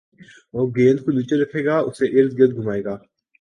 وہ گیند کو نیچے رکھے گا اُسے اردگرد گھمائے گا